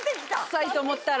臭いと思ったら。